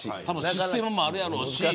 システムもあるやろうし。